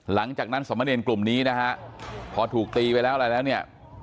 หลังจากนั้นสมเนรกลุ่มนี้นะฮะพอถูกตีไปแล้วอะไรแล้วเนี่ย